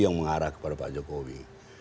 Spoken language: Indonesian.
yang mengarah kepada pak jokowi